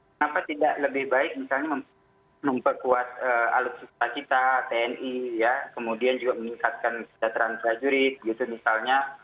kenapa tidak lebih baik misalnya memperkuat alutsista kita tni ya kemudian juga meningkatkan kesejahteraan prajurit gitu misalnya